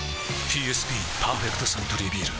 ＰＳＢ「パーフェクトサントリービール」